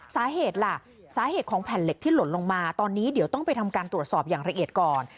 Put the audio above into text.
สาเหตุล่ะสาเหตุของแผ่นเหล็กที่หล่นลงมาตอนนี้เดี๋ยวต้องไปทำการตรวจสอบอย่างละเอียดก่อน